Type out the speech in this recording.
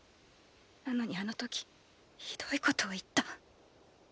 なのにあのときひどいことを言った。